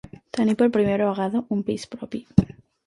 Tenir per primera vegada un pis propi.